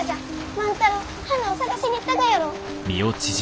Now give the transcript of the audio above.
万太郎花を探しに行ったがやろう！